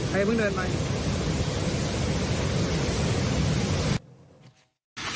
ค่ะเดี๋ยวเพิ่งเดินไป